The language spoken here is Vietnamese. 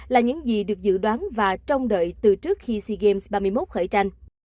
là những gì được dự đoán và trông đợi từ trước khi sea games ba mươi một khởi tranh